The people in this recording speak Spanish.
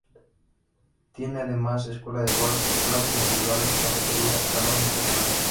Tiene además escuela de golf, clases individuales; cafetería, salón-restaurante.